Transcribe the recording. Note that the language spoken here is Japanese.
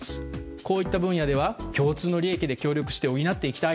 こういった分野では共通の利益で協力して補っていきたい。